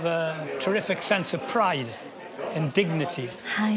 はい。